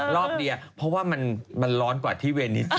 รอบเดียวเพราะว่ามันร้อนกว่าที่เวนิส